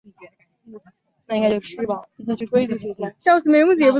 主教座堂是拉特朗圣若望大殿。